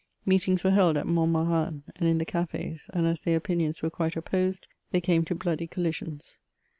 Meetings were held at Montmarin and in the caf6s, and as their opinions were quite opposed, they came to bloody collisions.